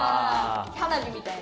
花火みたいな感じ。